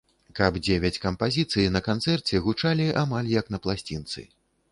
Каб дзевяць кампазіцый на канцэрце гучалі амаль як на пласцінцы.